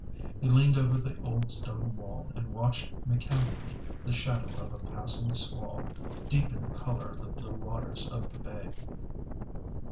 He leaned over the old stone wall and watched mechanically the shadow of a passing squall deepen the colour of the blue waters of the bay.